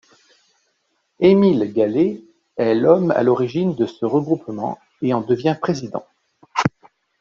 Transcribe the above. Émile Gallé est l'homme à l'origine de ce regroupement et en devient président.